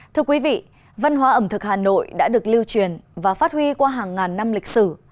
thưa quý vị văn hóa ẩm thực hà nội đã được lưu truyền và phát huy qua hàng ngàn năm lịch sử